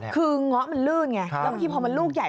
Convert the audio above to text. คือเงาะมันลื่นไงแล้วบางทีพอมันลูกใหญ่